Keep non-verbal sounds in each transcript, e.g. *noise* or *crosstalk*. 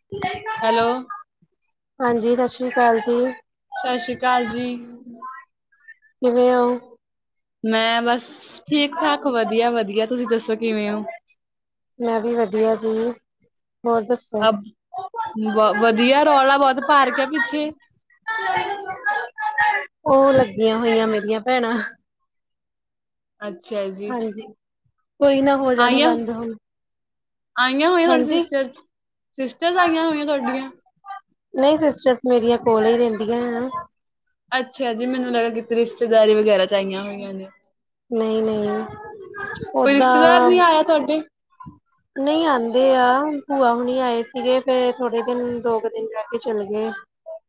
*unintelligible* Hello. ਹਾਂਜੀ ਸਤਿ ਸ੍ਰੀ ਅਕਾਲ ਜੀ। ਸਤਿ ਸ੍ਰੀ ਅਕਾਲ ਜੀ। ਕਿਵੇ ਓ। ਮੈਂ ਬਸ ਠੀਕ ਠਾਕ ਵਧੀਆ- ਵਧੀਆ ਤੁਸੀਂ ਦੱਸੋ ਕਿਵੇਂ ਓ। ਮੈਂ ਵੀ ਵਧੀਆਂ ਜੀ ਹੋਰ ਦੱਸ ਅਬ ਵਧੀਆਂ ਰੌਲਾ ਬਹੁਤ ਪਾ ਰੱਖਿਆਂ ਪਿੱਛੇ ਓ ਲੱਗੀਆਂ ਹੋਈਆਂ ਮੇਰੀਆਂ ਭੈਣਾਂ। ਅੱਛਾ ਜੀ। ਹਾਂਜੀ, ਕੋਈ ਨਾ ਹੋ ਜਾਣਾਂ ਆਈਆਂ, ਬੰਦ ਹੁਣ ਆਈਆਂ ਹੋਈਆਂ ਤੁਹਾਡੇ ਹਾਂਜੀ ਸਿਸਟਰਜ- ਸਿਸਟਰਜ ਆਈਆਂ ਹੋਈਆਂ ਤੁਹਾਡੀਆਂ। ਨਈ ਸਿਸਟਰਸ ਮੇਰੀਆਂ ਕੋਲੇ ਈ ਰਹਿੰਦੀਆਂ ਆ। ਅੱਛਾ ਜੀ, ਮੈਂਨੂੰ ਲੱਗਾਂ ਕਿਤੇ ਰਿਸ਼ਤੇਦਾਰੀ ਵਗ਼ੈਰਾ ਚ ਆਈਆਂ ਹੋਈਆਂ ਨੇ। ਨਈ- ਨਈ ਕੋਈ ਰਿਸ਼ਤੇਦਾਰ ਓਦਾਂ। ਨੀ ਆਇਆ ਤੁਹਾਡੇ? ਨਈ ਆਂਦੇ ਆ, ਭੂਆ ਹੁਣੀ ਆਏ ਸੀਗੇ ਫੇਰ ਥੋੜੇ ਦਿਨ ਦੋ ਕੁ ਦਿਨ ਰਹਿ ਕੇ ਚੱਲਗੇ।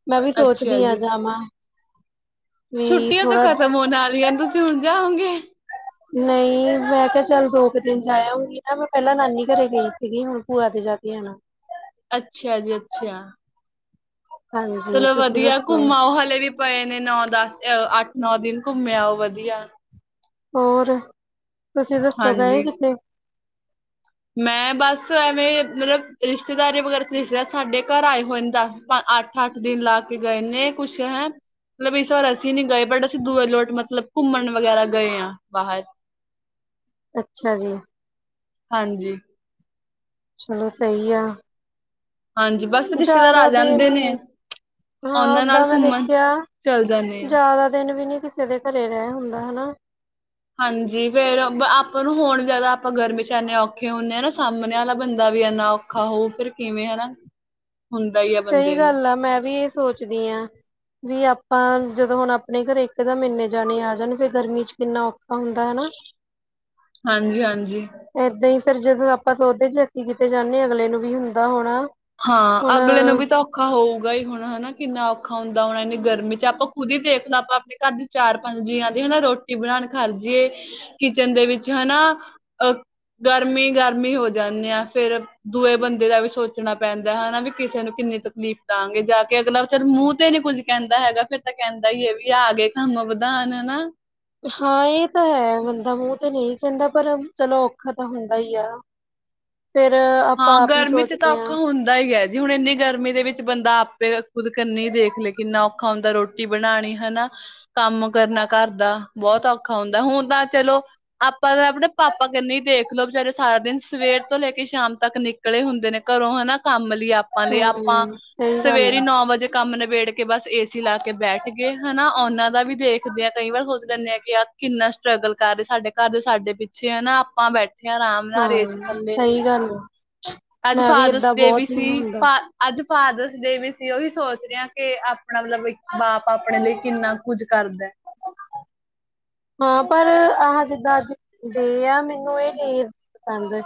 ਮੈਂ ਵੀ ਅੱਛਾ ਸੋਚਦੀ ਆ, ਜੀ। ਜਾਵਾਂ। ਵੀ ਛੁੱਟੀਆਂ ਤਾਂ ਥੋੜਾ ਖ਼ਤਮ ਹੋਣ ਆਲੀਆਂ ਨੇ, ਤੁਸੀਂ ਹੁਣ ਜਾਓਗੇ ਨਈ ਮੈਂ ਕਿਹਾਂ ਚੱਲ ਦੋ ਕੁ ਦਿਨ ਜਾ ਆਉਗੀ ਨਾ, ਮੈਂ ਪਹਿਲਾਂ ਨਾਨੀ ਘਰੇਂ ਗਈਂ ਸੀਗੀ ਹੁਣ ਭੂਆਂ ਤੇ ਜਾਂ ਕੇ ਆਣਾ। ਅੱਛਾ ਜੀ ਅੱਛਾ। ਹਾਂਜੀ ਚਲੋ ਤੁਸੀਂ ਵਧੀਆ ਦੱਸੋ ਘੁੰਮਾ ਆਓ ਹਲੇ ਵੀ ਪਏ ਨੇ, ਨੌ ਦਸ ਅੱਠ ਨੌ ਦਿਨ ਘੁੰਮ ਆਓ ਵਧੀਆਂ। ਹੋਰ ਤੁਸੀਂ ਦੱਸੋ ਗਏ ਹਾਂਜੀ। ਕਿਥੇ। ਮੈਂ ਬਸ ਐਵੇਂ ਮਤਲਬ ਰਿਸ਼ਤੇਦਾਰ ਵਗੈਰਾ ਰਿਸ਼ਤੇਦਾਰ ਸਾਡੇ ਘਰ ਆਏ ਹੋਏ ਨੇ ਦੱਸ ਅੱਠ- ਅੱਠ ਦਿਨ ਲਾ ਕੇ ਗਏ ਨੇ ਕੁੱਛ ਹੈਂ। ਮਤਲਬ ਇਸ ਵਾਰ ਅਸੀਂ ਨੀ ਗਏ, ਬਟ ਅਸੀਂ ਦੂੂਰ ਲੋਟ ਮਤਲਬ ਘੁੰਮਣ ਵਗੈਰਾ ਗਏ ਆ ਬਾਹਰ। ਅੱਛਾ ਜੀ। ਹਾਂਜੀ। ਚਲੋ ਸਈ ਆ। ਹਾਂਜੀ। ਬਸ ਰਿਸ਼ਤੇਦਾਰ ਆ ਜ਼ਿਆਦਾ ਦਿਨ ਜਾਂਦੇ ਨੇ ਨੀਂ। ਹਾਂ ਉਹਨਾਂ ਨਾਲ ਓਦਾਂ ਮੈਂ ਘੁੰਮਣ ਦੇਖਿਆ, ਚੱਲ ਜਾਂਦੇ ਆ। ਜ਼ਿਆਦਾ ਦਿਨ ਵੀ ਨੀ ਕਿਸੇ ਦੇ ਘਰੇਂ ਰਹਿ ਹੁੰਦਾਂ, ਹਨਾ। ਹਾਂਜੀ ਫੇਰ ਆਪਾਂ ਨੂੰ ਹੋਣ ਜ਼ਿਆਦਾ ਆਪਾਂ ਗਰਮੀ ਚ ਐਨੇ ਔਖੇ ਹੁੰਨੇ ਆ ਨਾ, ਸਾਹਮਣੇ ਆਲਾ ਬੰਦਾਂ ਵੀ ਐਨਾ ਔਖ ਖਾਹੋ ਫ਼ਿਰ ਕਿਵੇਂ ਆ ਨਾ। ਹੁੰਦਾ ਹੀ ਸਹੀ ਗੱਲ ਆ, ਮੈਂ ਵੀ ਏ ਸੋਚਦੀ ਆ। ਵੀ ਆਪਾਂ ਜਦੋਂ ਹੁਣ ਆਪਣੇ ਘਰ ਇੱਕ ਦਮ ਏਨੇ ਜਾਣੇ ਆ ਜਾਣ ਫੇਰ ਗਰਮੀਂ ਚ ਕਿੰਨਾ ਔਖ ਆਉਂਦਾ ਨਾ। ਹਾਂਜੀ-ਹਾਂਜੀ। ਏਦਾਂ ਹੀ ਫੇਰ ਜਦੋਂ ਆਪਾਂ ਸੋਦੇ ਚੱਕ ਕਿਤੇ ਜਾਂਨੇ ਆ, ਅਗਲੇ ਨੂੰ ਵੀ ਹੁੰਦਾ ਹੋਣਾ। ਹਾਂ ਹੁਣ ਅਗਲੇ ਨੂੰ ਵੀ ਤਾਂ ਔਖਾ ਹੋਊਗਾ ਹੀ ਹੁਣ ਹਨਾ। ਕਿੰਨਾ ਔਖਾ ਹੁੰਦਾ ਹੋਣਾ ਏਨੀ ਗਰਮੀ ਚ ਆਪਾਂ ਖੁਦ ਹੀ ਦੇਖ ਲੋ, ਆਪਾਂ ਆਪਣੇ ਘਰ ਦੇ ਚਾਰ ਪੰਜ ਜੀਆਂ ਦੀ ਹਨਾ ਰੋਟ ਬਣਾਣ ਖਰਜੀਏ ਕਿਚਨ ਦੇ ਵਿੱਚ ਹਨਾ, ਅਹ। ਗਰਮੀ-ਗਰਮੀ ਹੋ ਜਾਂਨੇ ਆ, ਫੇਰ ਦੂਏ ਬੰਦੇ ਦਾ ਵੀ ਸੋ ਚਣਾ ਪੈਂਦਾਂ, ਹਨਾ ਵੀ ਕਿਸੇ ਨੂੰ ਕਿੰਨੀ ਤਕਲੀਫ਼ ਦਾਂਗੇ ਜਾ ਕੇ ਅਗਲਾ ਵਿਚਾਰਾਂ ਮੂੰਹ ਤੇ ਨੀ ਕੁੱਝ ਕਹਿੰਦਾ ਹੈਗਾ ਫੇਰ ਤਾਂ ਕਹਿੰਦਾ ਈ ਆ ਵੀ ਆਗੇ ਕੰਮ ਵਧਾਣ ਹਨਾ। ਹਾਂ ਏ ਤਾਂ ਹੈ ਬੰਦਾ ਮੂੰਹ ਤੇ ਨੀਂ ਕਹਿੰਦਾ, ਪਰ ਚਲੋ ਔਖਾ ਤਾਂ ਹੁੰਦਾ ਈ ਆ। ਫਿਰ ਆਪਾਂ ਆਪ ਈ ਸੋਚਦੇ ਆ। ਸਈ ਏ ਜੀ ਹੁਣ ਇੰਨੀ ਗਰਮੀ ਦੇ ਵਿੱਚ ਬੰਦਾ ਆਪੇ ਖੁਦ ਕਰਨੀ ਦੇਖ ਲਏ ਕਿੰਨਾ ਔਖਾ ਹੁੰਦਾ ਰੋਟੀ। ਰੋਟੀ ਬਣਾਣੀ ਹਨਾ ਕੰਮ ਕਰਨਾ ਘਰ ਦਾ ਬੋਤ ਔਖਾ ਹੁੰਦਾ। ਹੁਨ ਤਾਂ ਚਲੋ ਆਪਾਂ ਤਾਂ ਅਪਣੇ ਪਾਪਾ ਕਨੀ ਦੇਖਲੋ ਵਚਾਰੇ ਸਾਰਾ ਦਿਨ ਸਵੇਰ ਤੋਂ ਲੈ ਕੇ ਸ਼ਾਮ ਤੱਕ ਨਿਕਲੇ ਹੁੰਦੇ ਨੇ ਘਰੋਂ ਹਨਾ ਕੰਮ ਲਈ ਆਪਾਂ ਲਈ ਆਪਾਂ ਹਮ ਸਹੀ ਗੱਲ ਸਵੇਰੇ ਹੈ ਨੌ ਵਜੇ ਕੰਮ ਨਿਬੇੜ ਕੇ ਬਸ ਏਸੀ ਲਾ ਕੇ ਬੈਠ ਗਏ ਹਨਾ ਓਨਾਂ ਦਾ ਵੀ ਦੇਖਦੇ ਆਂ ਕਈ ਵਾਰ ਸੋਚ ਲੈਂਦੇ ਆ ਕਿ ਆ ਕਿੰਨਾ ਸਟਰਗਲ ਕਰ ਰਏ ਸਾਡੇ ਘਰ ਦੇ ਸਾਡੇ ਪਿੱਛੇ ਹੈ ਨਾ। ਆਪਾਂ ਬੈਠੇ ਆਂ ਰਾਮ ਨਾਲ ਏ ਸੀ ਥੱਲੇ। ਕੀ ਗੱਲ ਏ। ਅੱਜ ਫਾਦਰਸ ਡੇ ਵੀ ਸੀ ਹੁੰਦਾ ਫਾ‌ ਅੱਜ ਫਾਦਰਸ ਡੇ ਵੀ ਸੀ। ਓਈ ਸੋਚ ਰੇ ਆਂ ਕੇ ਆਪਣਾ ਮਤਲਬ ਬਾਪ ਆਪਣੇ ਲਈ ਕਿੰਨਾ ਕੁੱਝ ਕਰਦਾ ਐ। ਹਾਂ ਪਰ ਆਹ ਜਿੱਦਾਂ ਅੱਜ ਡੇ ਆ ਮੈਨੂੰ ਏ ਚੀਜ ਪਸੰਦ।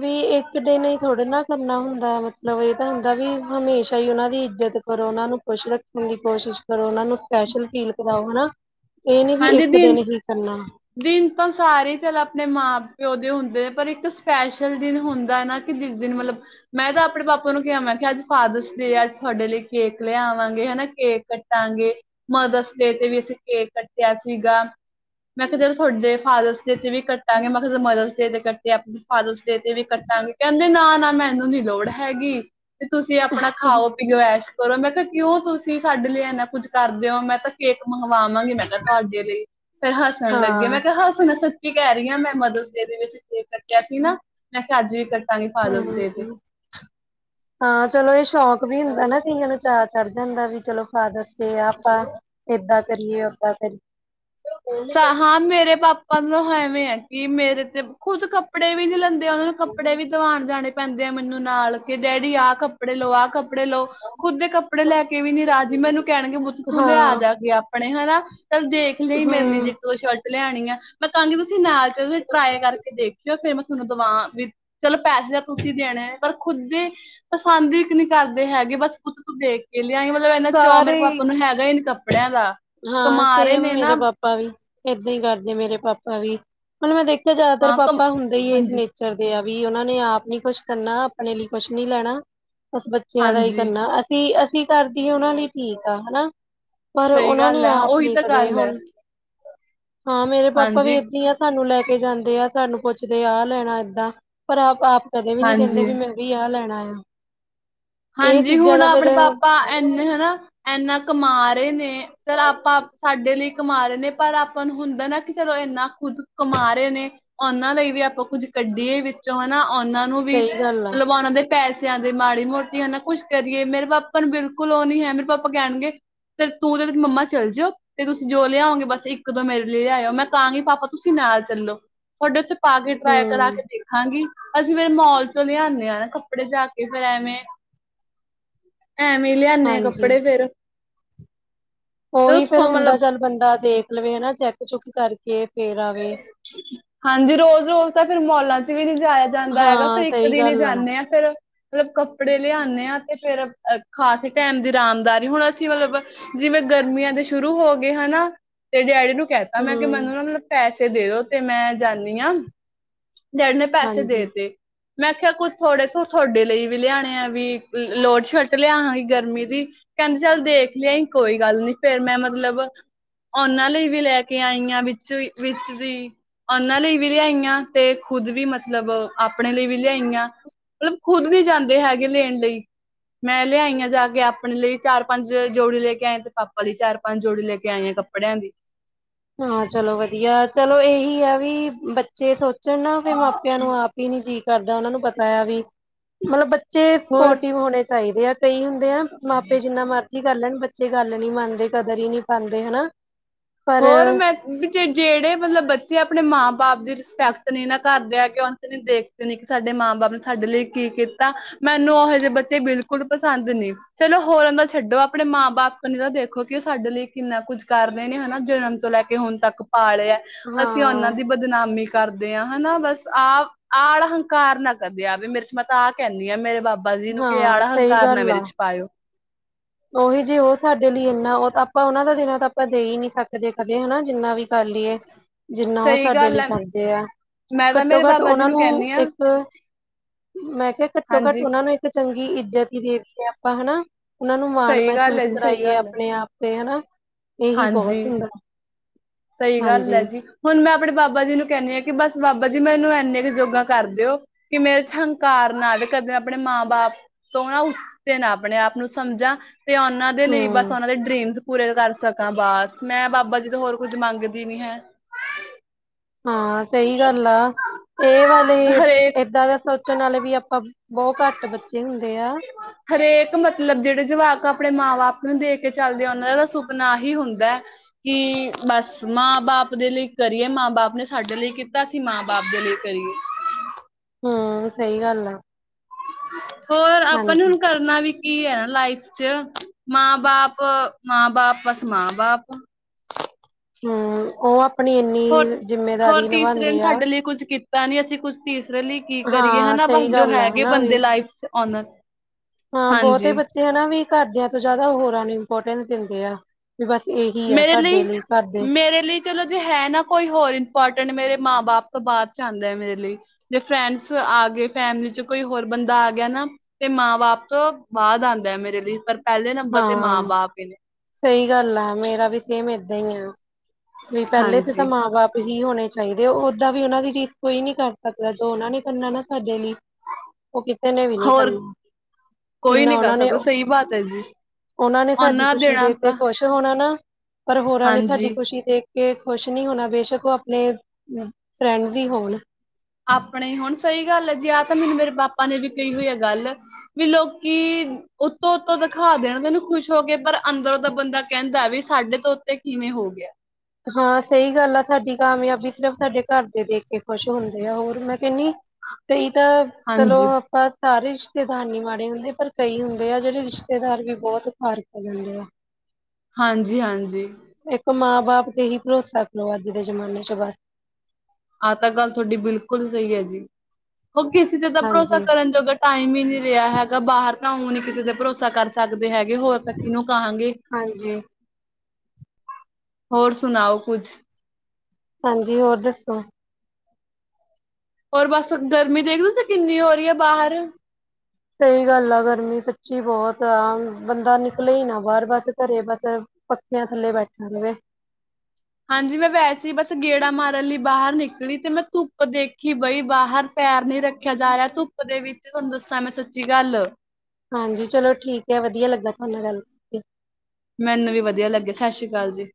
ਵੀ ਏਕ ਦਿਨ ਈ ਥੋੜੇ ਨਾ ਕਰਨਾ ਹੁੰਦਾ ਮਤਲਬ ਏ ਤਾਂ ਹੁੰਦਾ ਵੀ ਹਮੇਸ਼ਾ ਈ ਓਨਾ ਦੀ ਇੱਜਤ ਕਰੋ ਓਨਾਂ ਨੂੰ ਖੁਸ਼ ਰੱਖਣ ਦੀ ਕੋਸ਼ਿਸ਼ ਕਰੋ। ਔਨਾਂ ਨੂੰ ਸਪੈਸ਼ਲ ਫੀਲ ਕਰਾਓ ਹਨਾ। ਏ ਨੀ ਵੀ ਇਕ ਦਿਨ ਹੀ ਕਰਨਾ। ਦਿਨ ਤਾਂ ਸਾਰੇ ਈ ਚਲ ਅਪਣੇ ਮਾਂ ਪਿਓ ਦੇ ਹੁੰਦੇ ਨੇ ਪਰ ਇੱਕ ਸਪੈਸ਼ਲ ਦਿਨ ਹੁੰਦਾ ਐ ਨਾ। ਕਿ ਜਿਸ ਦਿਨ ਮਲਬ ਮੈਂ ਤਾਂ ਅਪਣੇ ਪਾਪਾ ਨੂੰ ਕੇਆ ਮੈਂ ਕੇਆ ਕਿ ਅੱਜ ਫਾਦਰਸ ਡੇ ਐ। ਅੱਜ ਥੋਡੇ ਲਈ ਕੇਕ ਲਿਆਵਾਂਗੇ ਹਨਾ ਕੇਕ ਕੱ ਕਟਾਂਗੇ। ਮਦਰਸ ਡੇ ਤੇ ਵੀ ਅਸੀ ਕੇਕ ਕੱ ਕਟੇਆ ਸੀਗਾ। ਮੈਂ ਕੇਆ ਤੁਹਾਡੇ ਫਾਦਰਸ ਡੇ ਤੇ ਵੀ ਕੱਟਾਂਗੇ ਮੈਂ ਕੈ ਮਦਰਸ ਡੇ ਤੇ ਕੱਟ ਤੇ ਅਪਣੇ ਫਾਦਰਸ ਡੇ ਤੇ ਵੀ ਕੱਟਾਂਗੇ। ਕੈਂਦੇ ਨਾ ਨਾ ਮੈਨੂੰ ਨੀ ਲੋੜ ਹੈਗੀ। ਤੇ ਤੁਸੀ ਅਪਣਾ ਖਾਓ। ਐਸ਼ ਕਰੋ। ਮੈਂ ਕੇਆ ਕਿਓਂ ਤੁਸੀ ਸਾਡੇ ਲਈ ਐਨਾ ਕੁੱਝ ਕਰਦੇ ਔ ਮੈਂ ਤਾਂ ਕੇਕ ਮੰਗਵਾਵਾਂਗੀ। ਸਾਡੇ ਲਈ। ਫੇਰ ਹੱਸਣ ਲੱਗੇ। ਹਾਂ ਮੈਂ ਕੇਆ ਹੱਸਣ ਕੀ ਕੈ ਰੀ ਆਂ ਮੈਂ। ਮਦਰਸ ਡੇ ਤੇ ਵੀ ਅਸੀ ਕੇਕ ਕੱਟੇਆ ਸੀ ਨਾ। ਮੈਂ ਕੇਆ ਅੱਜ ਵੀ ਕ ਹਾਂ ਜੀ। ਹਾਂ, ਚਲੋ ਏ ਸ਼ੌਕ ਵੀ ਹੁੰਦਾ ਨਾ ਕਈਆਂ ਨੂੰ ਚਾਅ ਚੜ ਜਾਂਦਾ ਵੀ ਚਲੋ ਫਾਦਰਸ ਕੇ ਆਪਾਂ ਏਦਾਂ ਕਰੀਏ ਓਦਾਂ ਕਰੀਏ। ਸਾ ਹਾਂ ਮੇਰੇ ਪਾਪਾ ਨੂੰ ਹੈਵੇਂ ਐ ਕਿ ਮੇਰੇ ਤੇ ਖੁੱਦ ਕੱਪੜੇ ਵੀ ਨੀ ਲੈਂਦੇ ਔਨਾਂ ਨੂੰ ਕੱਪੜੇ ਵੀ ਦਵਾਣ ਜਾਣੇ ਪੈਂਦੇ ਆ ਮੈਨੂੰ ਨਾਲ ਕਿ ਡੈਡੀ ਆ ਕੱਪੜੇ ਲਓ ਆ ਕੱਪੜੇ ਲਓ। ਖੁਦ ਦੇ ਕੱਪੜੇ ਲੈ ਕੇ ਵੀ ਨੀ ਰਾਜੀ। ਮੈਨੂੰ ਕੈਣਗੇ ਪੁਤ ਤੂੰ ਲੇਆ ਹਾਂ ਜਾਕੇ ਅਪਣੇ ਹੈਨਾ। ਚਲ ਦੇਖ ਲਈ ਮੇਰੇ ਲਈ ਜੇ ਹਮ ਸ਼ਰਟ ਲਿਆਣੀ ਐ। ਮੈਂ ਕਾਂਗੀ ਤੁਸੀ ਨਾਲ ਚਲੋ ਟਰਾਈ ਕਰਕੇ ਦੇਖਿਓ ਫੇਰ ਮੈਂ ਤੁਆਨੂੰ ਦਵਾਂ ਵੀ ਚਲੋ ਪੈਸੇ ਤਾਂ ਤੁਸੀ ਦੇਣੇ ਪਰ ਖੁਦ ਦੇ ਪਸੰਦ ਇਕ ਨੀ ਕਰਦੇ ਹੈਗੇ। ਬਸ ਪੁਤ ਤੂ ਦੇਖ। ਕੇ ਲੇਆਈਂ ਮਤਲਬ ਏਨਾ ਚੌ ਮੇਰੇ ਸਾਰੇ ਹੀ ਪਾਪਾ ਨੂੰ ਹੈਗਾ ਈ ਨੀ ਕੱਪੜੇਆਂ ਦਾ। ਹਾਂ ਕਮਾ ਰੇ ਸੇਮ ਨੇ ਨਾ ਮੇਰੇ ਪਾਪਾ ਵੀ। ਏਦਾਂ ਈ ਕਰਦੇ ਮੇਰੇ ਪਾਪਾ ਵੀ। ਹੁਨ ਮੈਂ ਦੇਖੇਆ ਜਾਦਾਤਰ ਹਾਂ ਕਮ ਪਾਪਾ ਹੁੰਦੇ ਈ ਏਸ ਹਾਂਜੀ, ਨੇ ਚਰਦੇ ਆ। ਵੀ ਔਨਾਂ ਨੇ ਆਪ ਨੀ ਕੁਛ ਕਰਨਾ ਅਪਣੇ ਲਈ ਕੁਛ ਨੀ ਲੈਣਾ। ਬਸ ਬੱਚੇਆਂ ਦਾ ਈ ਹਾਂਜੀ ਕਰਨਾ। ਅਸੀ ਅਸੀ ਕਰਦੀਏ ਔਨਾ ਲਈ ਠੀਕ ਆ ਹਨਾ। ਸਹੀ ਔਨਾਂ ਨੇ ਗੱਲ ਐ ਆਪ ਉਹੀ ਨੀ ਤਾਂ ਕਦੇ ਗੱਲ ਐ, ਹੁਨ ਹਾਂ ਮੇਰੇ ਪਾਪਾ ਵੀ ਹਾਂਜੀ, ਏਦਾਂ ਈ ਆ। ਸਾਨੂੰ ਲੈ ਕੇ ਜਾਂਦੇ ਆ ਸਾਨੂੰ ਪੁੱਛਦੇ ਆ ਲੈਣਾ ਐਦਾਂ। ਪਰ ਆਪ ਆਪ ਕਦੇ ਵੀ ਨੀ ਕੇਂਦੇ ਹਾਂਜੀ। ਵੀ ਮੈਂ ਵੀ ਆ ਲੈਣਾ ਆ। ਇਹ ਹਾਂਜੀ ਚੀਜ਼ਾਂ ਹੁਣ ਦਾ ਫੇਰ ਅਪਣੇ ਪਾਪਾ ਐਨੇ ਹਨਾ ਐਨਾ ਕਮਾ ਰੇ ਨੇ ਫੇਰ ਆਪਾਂ ਸਾਡੇ ਲਈ ਕਮਾ ਰੇ ਨੇ ਪਰ ਆਪਾਂ ਨੂੰ ਹੁੰਦਾ ਨਾ ਕਿ ਚਲੋ ਏਨਾ ਖੁਦ ਕਮਾ ਰੇ ਨੇ। ਔਨਾਂ ਲਈ ਵੀ ਆਪਾਂ ਕੁੱਝ ਕੱਢੀਏ ਵਿੱਚੋਂ ਹੈਨਾ ਔਨਾਂ ਨੂੰ ਵੀ ਸਹੀ ਗੱਲ ਆ ਮਲਬ ਓਨਾਂ ਦੇ ਪੈਸੇਆਂ ਦੇ ਮਾੜੀ ਮੋ ਕਿ ਏਨਾ ਕੁਛ ਕਰੀਏ ਮੇਰੇ ਪਾਪਾ ਨੂੰ ਬਿਲਕੁੱਲ ਓ ਨੀ ਹੈ ਮੇਰੇ ਪਾਪਾ ਕੈਣਗੇ ਫੇਰ ਤੂੰ 'ਤੇ ਮੰਮਾ ਚੱਲ ਜੋ 'ਤੇ ਤੁਸੀ ਜੋ ਲਿਆਓਗੇ ਬਸ ਇੱਕ-ਦੋ ਮੇਰੇ ਲਈ ਲਿਆਓ ਮੈਂ ਕਾਂਗੀ ਪਾਪਾ ਤੁਸੀ ਨਾਲ ਚੱਲੋ, ਤੁਹਾਡੇ ਉਥੇ ਪਾ ਕੇ ਟਰਾਏ ਕਰਾ ਹਮ ਕੇ ਦੇਖਾਂਗੀ ਅਸੀ ਫੇਰ ਮੋਲ ਚੋਂ ਲੈ ਆਨੇ ਆ ਨਾ ਕੱਪੜੇ ਜਾ ਕੇ ਫੇਰ ਐਵੇਂ ਐਵੇਂ ਲਿਆਨੇ ਆ ਹਾਂਜੀ ਕੱਪੜੇ ਫੇਰ। ਉਹੀ ਫੇਰ ਉੱਥੋਂ ਹੁੰਦਾ ਮਤਲਬ ਚੱਲ ਬੰਦਾ ਦੇਖ ਲਵੇ ਹਨਾ ਚੈਕ ਚੁੱਕ ਕਰਕੇ ਫੇਰ ਆਵੇ। ਹਾਂਜੀ ਰੋਜ਼-ਰੋਜ਼ ਤਾਂ ਫਿਰ ਮੋਲਾਂ 'ਚ ਵੀ ਨੀ ਜਾਇਆ ਜਾਂਦਾ ਹੈਗਾ ਫੇਰ ਹਾਂ ਇੱਕ ਸਹੀ ਦਿਨ ਈ ਗੱਲ ਜਾਂਨੇ ਆ। ਫੇਰ ਮਤਲਬ ਕੱਪੜੇ ਲਿਆਂਨੇ ਆ 'ਤੇ ਫੇਰ ਅ ਖਾਸ ਟੈਮ ਦੀ ਰਾਮਦਾਰੀ ਹੁਣ ਅਸੀ ਮਤਲਬ ਜਿਵੇਂ ਗਰਮੀਆਂ ਦੇ ਸ਼ੁਰੂ ਹੋਗੇ ਹਨਾ 'ਤੇ ਡੈਡੀ ਨੂੰ ਕੈਤਾ ਮੈਂ ਕਿ ਹਮ ਮੈਨੂੰ ਨਾ ਮਤਲਬ ਪੈਸੇ ਦੇ ਦੋ 'ਤੇ ਮੈਂ ਜਾਂਨੀ ਆ। ਡੈਡੀ ਨੇ ਪੈਸੇ ਹਾਂਜੀ ਦੇਤੇ। ਮੈਂ ਖੇਆ ਕੁ ਥੋੜੇ ਸ ਤੁਹਾਡੇ ਲਈ ਵੀ ਲਿਆਣੇ ਆ ਵੀ ਲੋਟ ਸ਼ਰਟ ਲਿਆਹਾਗੀ ਗਰਮੀ ਦੀ ਕੈਂਦੇ ਚੱਲ ਦੇਖ ਲਿਆ ਈ ਕੋਈ ਗੱਲ ਨੀ ਫੇਰ ਮੈਂ ਮਤਲਬ ਉਨਾਂ ਲਈ ਵੀ ਲੈ ਕੇ ਆਈ ਆ ਵਿੱਚ ਵੀ ਵਿੱਚ ਦੀ ਉਨਾਂ ਲਈ ਵੀ ਲਿਆਈ ਆ 'ਤੇ ਖੁਦ ਵੀ ਮਤਲਬ ਆਪਣੇ ਲਈ ਵੀ ਲਿਆਈ ਆ। ਮਤਲਬ ਖੁਦ ਵੀ ਜਾਂਦੇ ਹੈਗੇ ਲੈਣ ਲਈ। ਮੈਂ ਲਿਆਈ ਆ ਜਾ ਕੇ ਆਪਣੇ ਲਈ ਚਾਰ-ਪੰਜ ਜੋੜੀ ਲੈ ਕੇ ਆਏ 'ਤੇ ਪਾਪਾ ਲਈ ਚਾਰ ਪੰਜ ਜੋੜੀ ਲੈ ਕੇ ਆਈ ਆ ਕੱਪੜਿਆਂ ਦੀ। ਹਾਂ ਚਲੋ ਵਧੀਆ ਚਲੋ ਏਹੀ ਆ ਵੀ ਬੱਚੇ ਸੋਚਣ ਨਾ ਵੀ ਮਾਪਿਆਂ ਨੂੰ ਆ ਪੀ ਨੀ ਜੀਅ ਕਰਦਾ ਉਨਾਂ ਨੂੰ ਪਤਾ ਐ ਵੀ ਮਤਲਬ ਬੱਚੇ ਹੋਰ ਸਪੋਰਟਿਵ ਹੋਣੇ ਚਾਈਦੇ ਆ ਕਈ ਹੁੰਦੇ ਆ ਨਾ ਮਾਪੇ ਜਿੰਨਾ ਮਰ ਜੀ ਕਰ ਲੈਣ ਬੱਚੇ ਗੱਲ ਨੀ ਮੰਨਦੇ, ਕਦਰ ਈ ਨੀ ਪਾਂਦੇ ਹਨਾ। ਪਰ ਹੋਰ ਮੈਂ ਵੀ ਜ ਜੇੜੇ ਮਤਲਬ ਬੱਚੇ ਆਪਣੇ ਮਾਂ ਬਾਪ ਦੀ ਰਿਸਪੈਕਟ ਨੀ ਨਾ ਕਰਦੇ ਐਗੇ ਉਨਸ ਕਣੀ ਦੇ ਨੀ ਸਾਡੇ ਮਾਂ ਬਾਪ ਨੇ ਸਾਡੇ ਲਈ ਕੀ ਕੀਤਾ ਮੈਨੂੰ ਉਹੋ ਜੇ ਬੱਚੇ ਬਿਲਕੁੱਲ ਪਸੰਦ ਨੀ। ਚਲੋ ਹੋਰਾਂ ਦਾ ਛੱਡੋ ਆਪਣੇ ਮਾਂ ਬਾਪ ਕਣੀ ਤਾਂ ਦੇਖੋ ਕਿ ਓ ਸਾਡੇ ਲਈ ਕਿੰਨਾ ਕੁੱਝ ਕਰ ਰੇ ਨੇ ਹਨਾ। ਜਨਮ ਤੋਂ ਲੈ ਕੇ ਹੁਣ ਤੱਕ ਪਾਲੇ ਐ ਅਸੀਂ ਉਨਾਂ ਹਾਂ ਦੀ ਬ ਬਦਨਾਮੀ ਕਰਦੇ ਆ ਹਨਾ ਬਸ ਐ ਆ ਆਲਾ ਹੰਕਾਰ ਨਾ ਕਰਦੇ ਆਵੇ ਮੇਰੇ 'ਚ ਮੈਂ ਤਾਂ ਆ ਕੈਂਨੀ ਆ ਮੇਰੇ ਬਾ ਬਾ ਜੀ ਨੂੰ ਕੇ ਹਾਂ ਆਲਾ ਸਹੀ ਹੰਕਾਰ ਨਾ ਗੱਲ ਆ ਮੇਰੇ 'ਚ ਪਾਏ ਓ। ਉਹੀ ਜੇ ਉਹ ਸਾਡੇ ਲਈ ਇੰਨਾ ਓ ਤਾਂ ਆਪਾਂ ਉਹਨਾਂ ਦਾ ਜਿੰਨਾ ਤਾਂ ਆਪਾਂ ਦੇ ਈ ਨੀ ਸਕਦੇ ਕਦੇ ਹਨਾ ਜਿੰਨਾ ਵੀ ਕਰ ਲੀਏ ਜਿੰਨਾ ਓ ਸਹੀ ਸਾਡੇ ਗੱਲ ਲਈ ਹੈ ਕਰਦੇ ਆ। ਮੈਂ ਤਾਂ ਘੱਟੋ ਮੇਰੇ ਘੱਟ ਬਾਬਾ ਜੀ ਉਨਾਂ ਨੂੰ ਕਹਿੰਦੀ ਹਾਂ ਇੱਕ ਮੈਂ ਕੇਹਾ ਘੱਟੋ ਘੱਟ ਹਾਂਜੀ ਉਨਾਂ ਨੂੰ ਇੱਕ ਚੰਗੀ ਇੱਜਤ ਈ ਦੇ ਦੀਏ ਆਪਾਂ ਹਨਾ। ਉਨਾਂ ਨੂੰ ਮਾਣ ਸਹੀ ਗੱਲ ਮਹਿਸੂਸ ਹੈ ਜੀ ਸਹੀ ਕਰਾਈਏ ਗੱਲ ਹੈ ਆਪਣੇ ਆਪ 'ਤੇ ਹਨਾ ਏਹੀ ਬਹੁਤ ਹੁੰਦਾ। ਸਈ ਗੱਲ ਐ ਹਾਂਜੀ ਜੀ। ਹੁਣ ਮੈਂ ਆਪਣੇ ਬਾਬਾ ਜੀ ਨੂੰ ਕੈਂਨੀ ਆ ਕਿ ਬਸ ਬਾਬਾ ਜੀ ਮੈਨੂੰ ਐਨੇ ਕ ਜੋਗਾਂ ਕਰ ਦੇ ਓ ਕਿ ਮੈਂ ਇਸ ਹੰਕਾਰ ਨਾਲ ਕਦੇ ਮੈਂ ਆਪਣੇ ਮਾਂ ਬਾਪ ਤੋਂ ਨਾ ਉੱਤੇ ਨਾ ਆਪਣੇ ਆਪ ਨੂੰ ਸਮਝਾ 'ਤੇ ਉਨਾਂ ਦੇ ਲਈ ਹਮ ਬਸ ਉਨਾਂ ਦੇ ਡਰੀਮਸ ਪੂਰੇ ਕਰ ਸਕਾਂ ਬਸ ਮੈਂ ਬਾਬਾ ਜੀ ਤੋਂ ਹੋਰ ਕੁੱਝ ਮੰਗਦੀ ਨੀ ਹੈ। ਹਾਂ ਸਈ ਗੱਲ ਆ ਏ ਵਾਲੇ ਹਰੇਕ ਏਦਾਂ ਦਾ ਸੋ ਚਣ ਆਲੇ ਵੀ ਆਪਾਂ ਬੋ ਘੱਟ ਬੱਚੇ ਹੁੰਦੇ ਆ। ਹਰੇਕ ਮਤਲਬ ਜੇੜੇ ਜਵਾਕ ਆਪਣੇ ਮਾਂ ਬਾਪ ਨੂੰ ਦੇ ਕੇ ਚੱਲਦੇ ਆ ਉਨਾਂ ਦਾ ਸੁਪਨਾ ਆਹੀ ਹੁੰਦਾ ਐ ਕਿ ਬਸ ਮਾਂ-ਬਾਪ ਦੇ ਲਈ ਕਰੀਏ ਮਾਂ-ਬਾਪ ਨੇ ਸਾਡੇ ਲਈ ਕੀਤਾ ਅਸੀਂ ਮਾਂ-ਬਾਪ ਦੇ ਲਈ ਕਰੀਏ ਹੂੰ, ਸਈ ਗੱਲ ਆ। ਹੋਰ ਆਪਾਂ ਨੂੰ ਹਾਂਜੀ ਹੁਣ ਕਰਨਾ ਵੀ ਕੀ ਆ ਲਾਈਫ 'ਚ ਮਾਂ-ਬਾਪ ਮਾਂ-ਬਾਪ ਬਸ ਮਾਂ-ਬਾਪ ਹੂੰ ਓ ਹੋਰ ਹੋਰ ਤੀਸਰੇ ਨੇ ਆ ਸਾਡੇ ਲਈ ਕੁੱਝ ਕੀਤਾ ਨੀ ਅਸੀਂ ਕੁੱਝ ਤੀਸਰੇ ਲਈ ਕੀ ਕਰੀਏ ਹਾਂ ਹਨਾ ਬਸ ਸਹੀ ਜੋ ਗੱਲ ਆ ਹੈਗੇ ਹਨਾ ਵੀ ਬੰਦੇ ਲਾਈਫ 'ਚ ਓਨਰ ਹਾਂ ਬਹੁਤੇ ਬੱਚੇ ਹਨਾ ਵੀ ਘਰਦਿਆਂ ਤੋਂ ਜ਼ਿਆਦਾ ਹੋਰਾਂ ਨੂੰ ਇੰਪੋਰਟੈਂਸ ਦਿੰਦੇ ਆ ਵੀ ਬਸ ਇਹੀ ਆ ਸਾਡੇ ਲਈ ਘਰ ਦੇ ਮੇਰੇ ਲਈ ਚਲੋ ਜੇ ਹੈ ਨਾ ਕੋਈ ਹੋਰ ਇੰਪੋਰਟੈਂਟ ਮੇਰੇ ਮਾਂ-ਬਾਪ ਤੋਂ ਬਾਦ 'ਚ ਆਂਦਾ ਆ ਮੇਰੇ ਲਈ ਜੇ ਫਰੈਂਡਸ ਆ ਗਏ ਫੈਮਲੀ 'ਚ ਕੋਈ ਹੋਰ ਬੰਦਾ ਆ ਗਿਆ ਨਾ ਤੇ ਮਾਂ-ਬਾਪ ਤੋਂ ਬਾਦ ਆਂਦਾ ਆ ਮੇਰੇ ਲਈ ਪਰ ਪਹਿਲੇ ਨੰਬਰ ਤੇ ਮਾਂ-ਬਾਪ ਹੀ ਨੇ ਸਈ ਗੱਲ ਆ ਮੇਰਾ ਵੀ ਸੇਮ ਏਦਾਂ ਹੀ ਆ ਵੀ ਪਹਿਲੇ ਤੇ ਤਾਂ ਹਾਂਜੀ ਮਾਂ-ਬਾਪ ਹੀ ਹੋਣੇ ਚਾਈਦੇ ਓਦਾਂ ਵੀ ਉਨਾਂ ਦੀ ਰੀਸ ਕੋਈ ਨੀ ਕਰ ਸਕਦਾ ਜੋ ਉਨਾਂ ਨੇ ਕਰਨਾ ਨਾ ਸਾਡੇ ਲਈ ਓ ਕਿਸੇ ਨੇ ਵੀ ਨੀ ਹੋਰ ਕਰਨਾ ਜਿੰਨਾ ਉਨਾ ਨੇ ਸਈ ਬਾਤ ਆ ਜੀ। ਉਨਾਂ ਨੇ ਸਾਡੀ ਉਹਨਾਂ ਖੁਸ਼ੀ ਦੇਣਾ ਦੇ ਕੇ ਤਾਂ ਖੁਸ਼ ਹੋਣਾ ਨਾ ਪਰ ਹੋਰਾਂ ਨੇ ਸਾਡੀ ਹਾਂਜੀ ਖੁਸ਼ੀ ਦੇਖ ਕੇ ਖੁਸ਼ ਨੀ ਹੋਣਾ ਬੇਸ਼ੱਕ ਓ ਅਪਨੇ ਫਰੈਂਡ ਹੀ ਹੋਣ ਆਪਣੇ ਹੋਣ ਸਈ ਗੱਲ ਆ ਜੀ ਆਹ ਤਾਂ ਮੈਨੂੰ ਮੇਰੇ ਪਾਪਾ ਨੇ ਵੀ ਕਹੀ ਹੋਈ ਆ ਗੱਲ ਵੀ ਲੋਕੀ ਉੱਤੋਂ ਉੱਤੋਂ ਦਿਖਾ ਦੇਣ ਤੈਨੂੰ ਖੁਸ਼ ਹੋ ਕੇ ਪਰ ਅੰਦਰੋਂ ਦਾ ਬੰਦਾ ਕਹਿੰਦਾ ਵੀ ਸਾਡੇ ਤੋਂ ਉੱਤੇ ਕਿਵੇਂ ਹੋ ਗਿਆ ਹਾਂ ਸਈ ਗੱਲ ਆ ਸਾਡੀ ਕਾਮਯਾਬੀ ਸਿਰਫ਼ ਸਾਡੇ ਘਰ ਦੇ ਦੇਖ ਕੇ ਖੁਸ਼ ਹੁੰਦੇ ਆ ਹੋਰ ਮੈਂ ਕਹਿਨੀ ਕਈ ਤਾਂ ਚਲੋ ਹਾਂਜੀ ਆਪਾਂ ਸਾਰੇ ਰਿਸ਼ਤੇਦਾਰ ਨੀ ਮਾੜੇ ਹੁੰਦੇ ਪਰ ਕਈ ਹੁੰਦੇ ਆ ਜੇੜੇ ਰਿਸ਼ਤੇਦਾਰ ਵੀ ਬਹੁਤ ਫਾਰਕ ਜਾਂਦੇ ਆ ਹਾਂਜੀ ਹਾਂਜੀ। ਇੱਕ ਮਾਂ-ਬਾਪ ਤੇ ਹੀ ਭਰੋਸਾ ਕਰੋ ਅੱਜ ਦੇ ਜਮਾਨੇ 'ਚ ਬਸ ਆਹ ਤਾਂ ਗੱਲ ਥੋਡੀ ਬਿਲਕੁਲ ਸਈ ਆ ਜੀ ਓ ਕਿਸੇ ਤੇ ਤਾਂ ਭਰੋਸਾ ਹਾਂਜੀ ਕਰਨ ਜੋਗਾ ਟਾਈਮ ਹੀ ਨੀ ਰਿਹਾ ਹੈਗਾ ਬਾਹਰ ਤਾਂ ਉ ਨੀ ਕਿਸੇ ਤੇ ਭਰੋਸਾ ਕਰ ਸਕਦੇ ਹੈਗੇ ਹੋਰ ਤਾਂ ਕਿਨੂੰ ਕਹਾਂਗੇ ਹਾਂਜੀ ਹੋਰ ਸੁਣਾਓ ਕੁਝ ਹਾਂਜੀ ਹੋਰ ਦੱਸੋ? ਹੋਰ ਬਸ ਗਰਮੀ ਦੇਖਦੇ ਓ ਤੁਸੀਂ ਕਿੰਨੀ ਹੋ ਰਈ ਆ ਬਾਹਰ ਸਈ ਗੱਲ ਆ ਗਰਮੀ ਸੱਚੀ ਬੋਤ ਆ ਬੰਦਾ ਨਿਕਲੇ ਹੀ ਨਾ ਬਾਰ ਬਸ ਘਰੇ ਬਸ ਪੱਖੇਆਂ ਥੱਲੇ ਬੈਠਾ ਰਵੇ ਹਾਂਜੀ ਮੈਂ ਵੈਸੇ ਬਸ ਗੇੜਾ ਮਾਰਨ ਲਈ ਬਾਹਰ ਨਿਕਲੀ ਤੇ ਮੈਂ ਧੁੱਪ ਦੇਖੀ ਬਈ ਬਾਹਰ ਪੈਰ ਨੀ ਰੱਖਿਆ ਜਾ ਰਿਹਾ ਧੁੱਪ ਦੇ ਵਿੱਚ ਤੁਹਾਨੂੰ ਦੱਸਾਂ ਮੈਂ ਸੱਚੀ ਗੱਲ ਹਾਂਜੀ ਚਲੋ ਠੀਕ ਆ ਵਧੀਆ ਲੱਗਾ ਤੁਹਾਨੇ ਗੱਲ ਕਰਕੇ ਮੈਨੂੰ ਵੀ ਵਧੀਆ ਲੱਗਿਆ ਸਤਿ ਸ਼੍ਰੀ ਅਕਾਲ ਜੀ।